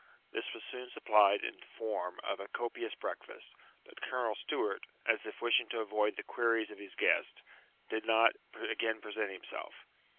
This was soon supplied in form of a copious breakfast, but Colonel Stewart, as if wishing to avoid the queries of his guest, did not again present himself.